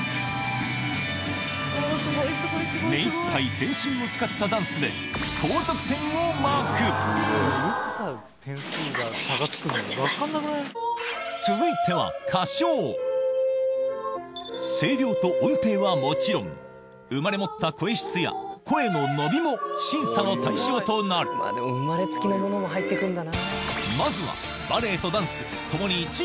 目いっぱい全身を使ったダンスで高得点をマーク続いては声量と音程はもちろん生まれ持った声質や声の伸びも審査の対象となるまずはだったが